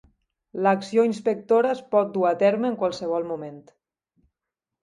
L'acció inspectora es pot dur a terme en qualsevol moment.